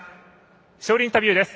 勝利インタビューです。